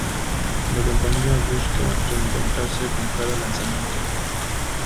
La compañía busca reinventarse con cada lanzamiento.